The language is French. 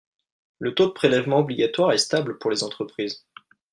Le taux de prélèvement obligatoire est stable pour les entreprises.